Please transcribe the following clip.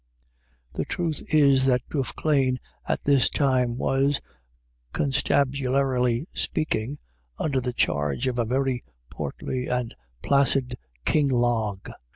The truth is that Duffclane at this time was, con stabularily speaking, under the charge of a very portly and placid King Log.